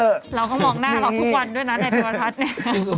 เราก็มองหน้าเราทุกวันด้วยนะในเทวพัฒน์เนี่ย